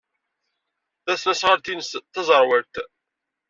Tasnasɣalt-nnes d taẓerwalt.